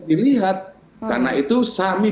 dilihat karena itu kami